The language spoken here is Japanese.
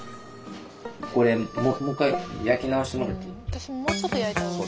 私ももうちょっと焼いた方がいい。